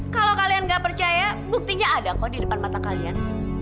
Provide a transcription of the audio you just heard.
kalau kalian nggak percaya buktinya ada kok di depan mata kalian